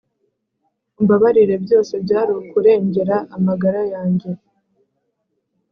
umbabarire byose byarukurengera amagara yange.